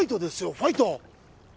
ファイト！